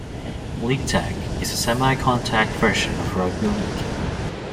League tag is a semi-contact version of rugby league.